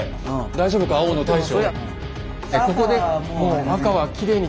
大丈夫か青の大将。